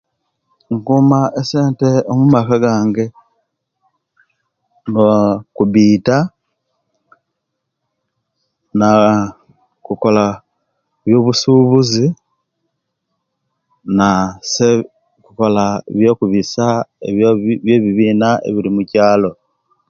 Nkuuma essente mumaka gange, aaah kubita naaa kukola byo'busubuzi naa kukola byo'kubisa ebyo omubibina ebiri omukyaalo.